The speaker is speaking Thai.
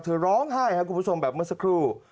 ร้องไห้ครับคุณผู้ชมแบบเมื่อสักครู่